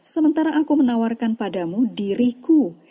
sementara aku menawarkan padamu diriku